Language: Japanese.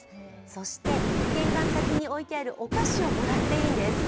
そして、玄関先に置いてあるお菓子をもらっていいんです。